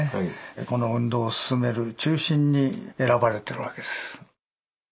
この運動を進める中心に選ばれてるわけです。